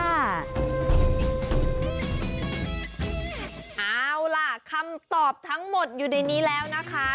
เอาล่ะคำตอบทั้งหมดอยู่ในนี้แล้วนะคะ